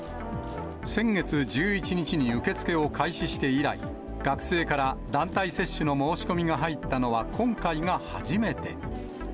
先月１１日に受け付けを開始して以来、学生から団体接種の申し込みが入ったのは今回が初めて。